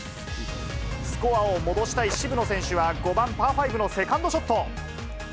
スコアを戻したい渋野選手は、５番パー５のセカンドショット。